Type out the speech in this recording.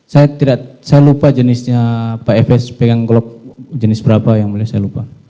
saya tidak saya lupa jenisnya pak efes pegang glock jenis berapa yang mulia saya lupa